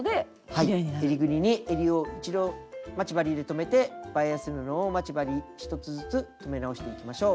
はいえりぐりにえりを一度待ち針で留めてバイアス布を待ち針１つずつ留め直していきましょう。